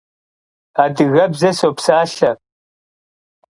Adıgebze sopsalhe.